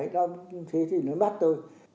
thế thì nó bắt tôi